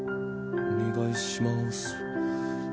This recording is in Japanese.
お願いします。